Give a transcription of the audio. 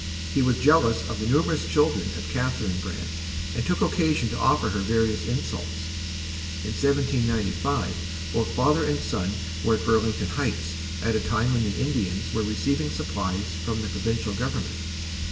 He was jealous of the numerous children of Catherine Brant and took occasion to offer her various insults. In 1795 both father and son were at Burlington Heights, at a time when the Indians were receiving supplies from the provincial government.